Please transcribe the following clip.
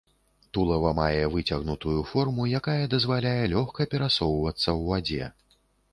Тулава мае выцягнутую форму, якая дазваляе лёгка перасоўвацца ў вадзе.